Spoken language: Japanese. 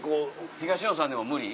東野さんでも無理？